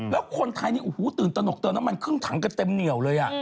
แล้วคนไทยนี่โอ้โหตื่นตนกเติมน้ำมันครึ่งถังกันเต็มเหนียวเลย